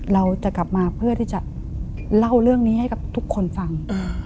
เราจะกลับมาเพื่อที่จะเล่าเรื่องนี้ให้กับทุกคนฟัง